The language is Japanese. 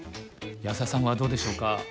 安田さんはどうでしょうか？